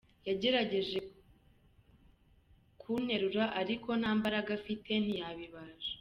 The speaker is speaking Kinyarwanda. Yagerageje kunterura ariko nta mbaraga afite ntiyabibasha.”